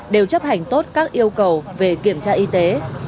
đều chấp hành tốt các yêu cầu về kiểm tra y tế